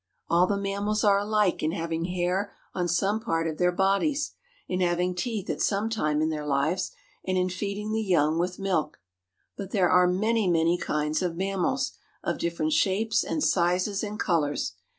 All the mammals are alike in having hair on some part of their bodies, in having teeth at some time in their lives, and in feeding the young with milk. But there are many, many kinds of mammals, of different shapes and sizes and colors.